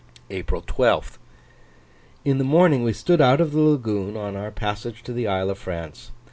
April 12th. In the morning we stood out of the lagoon on our passage to the Isle of France.